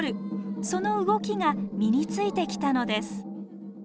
その動きが身についてきたのです。